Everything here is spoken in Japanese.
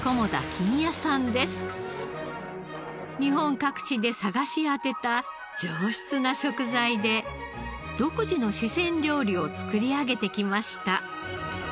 日本各地で探し当てた上質な食材で独自の四川料理を作り上げてきました。